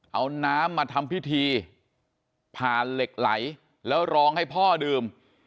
เอาน้ำมาทำพิธีผ่านเหล็กไหลแล้วร้องให้พ่อดื่ม